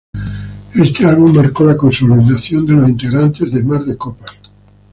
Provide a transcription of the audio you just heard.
Este álbum marcó la consolidación de los integrantes de Mar de Copas.